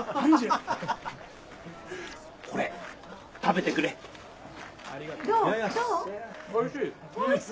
これ食べてくれ。